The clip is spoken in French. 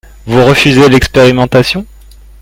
Vous refusez l’expérimentation